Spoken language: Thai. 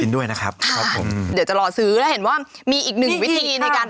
ต้องชิมแล้วแหละ